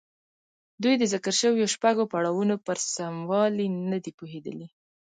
دوی د ذکر شويو شپږو پړاوونو پر سموالي نه دي پوهېدلي.